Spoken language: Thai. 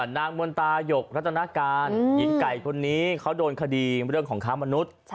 นางมนตายกรัตนาการหญิงไก่คนนี้เขาโดนคดีเรื่องของค้ามนุษย์